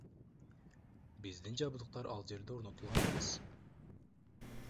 Биздин жабдыктар ал жерде орнотулган эмес.